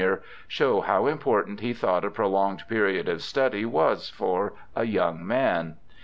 show how important he thought a prolonged period of study was for a young man.